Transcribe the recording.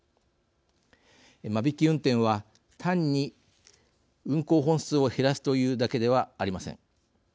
間引き運転は単に運行本数を減らすというだけではありません。